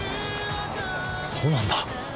そそうなんだ。